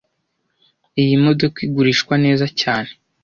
Iyi modoka igurishwa neza cyane